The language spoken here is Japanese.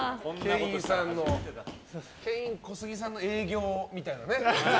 ケイン・コスギさんの営業みたいなね。